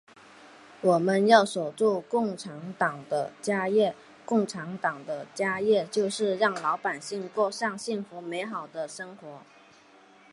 我们要守住共产党的家业，共产党的家业就是让老百姓过上幸福美好的生活。